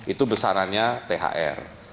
itu besarannya thr